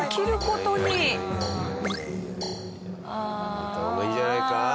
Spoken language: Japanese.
やめた方がいいんじゃないか？